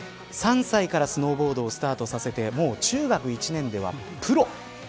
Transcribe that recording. ３歳からスノーボードをスタートさせてもう中学１年ではプロ。